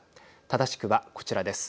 正しくはこちらです。